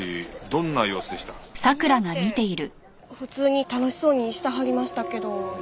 どんなって普通に楽しそうにしてはりましたけど。